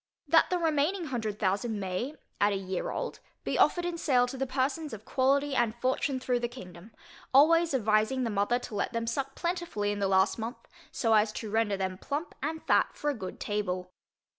That the remaining hundred thousand may, at a year old, be offered in sale to the persons of quality and fortune, through the kingdom, always advising the mother to let them suck plentifully in the last month, so as to render them plump, and fat for a good table.